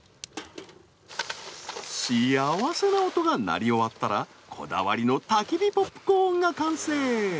幸せな音が鳴り終わったらこだわりのたき火ポップコーンが完成。